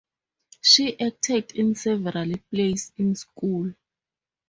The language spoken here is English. She acted in several plays in school.